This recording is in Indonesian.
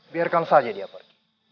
biarkan saja dia pergi